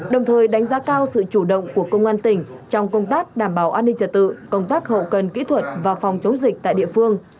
đồng thời đánh giá cao sự chủ động của công an tỉnh trong công tác đảm bảo an ninh trật tự công tác hậu cần kỹ thuật và phòng chống dịch tại địa phương